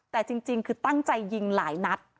แต่จริงคือตั้งใจยิงหลายนัด